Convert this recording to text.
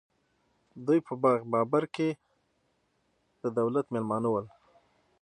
دوی په باغ بابر کې د دولت مېلمانه ول.